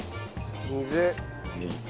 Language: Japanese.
水。